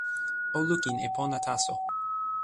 o lukin e pona taso.